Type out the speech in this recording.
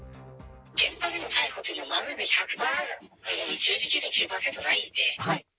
現場での逮捕というのは、まず１００％、９９．９％ないんで。